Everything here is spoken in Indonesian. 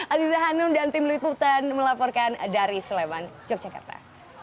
aliza hanum dan tim luit putan melaporkan dari sleman yogyakarta